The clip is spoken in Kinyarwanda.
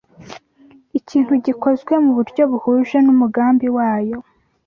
Ikintu gikozwe mu buryo buhuje n’umugambi wayo